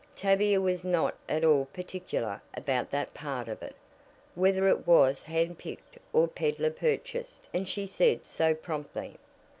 Tavia was not at all particular about that part of it whether it was hand picked or peddler purchased, and she said so promptly.